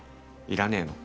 要らねえの？